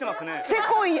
せこいやん